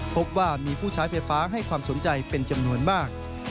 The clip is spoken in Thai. พบว่ามีผู้ใช้ไฟฟ้าให้ความสนใจเป็นจำนวนมาก